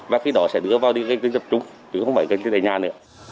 và khi đó sẽ đưa vào điện tinh tập trung chứ không phải điện tinh tại nhà nữa